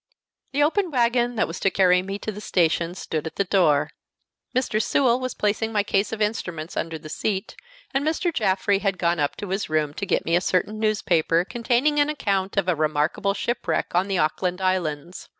The open wagon that was to carry me to the station stood at the door; Mr. Sewell was placing my case of instruments under the seat, and Mr. Jaffrey had gone up to his room to get me a certain newspaper containing an account of a remarkable shipwreck on the Auckland Islands.